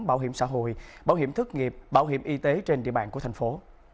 bảo hiểm xã hội bảo hiểm thất nghiệp bảo hiểm y tế trên địa bàn của thành phố